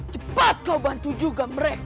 cepat kau bantu juga mereka